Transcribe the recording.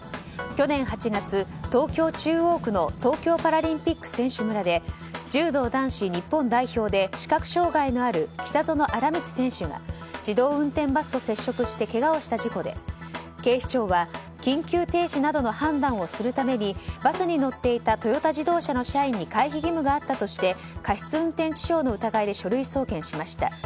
去年８月、東京・中央区の東京パラリンピック選手村で柔道男子日本代表で視覚障害のある北薗新光選手が自動運転バスと接触してけがをした事故で、警視庁は緊急停止などの判断をするためにバスに乗っていたトヨタ自動車の社員に回避義務があったとして過失運転致傷の疑いで書類送検しました。